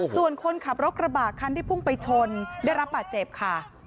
ส่วนคนขับรถกระบะคันที่พุ่งไปชนได้รับบาดเจ็บค่ะ